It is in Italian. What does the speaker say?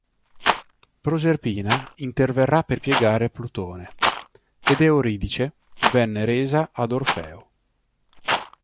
Proserpina interverrà per piegare Plutone, ed Euridice viene resa ad Orfeo.